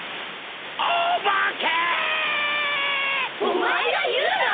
お前が言うな！